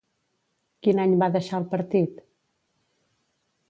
Quin any va deixar el partit?